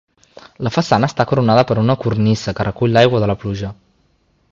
La façana està coronada per una cornisa que recull l'aigua de la pluja.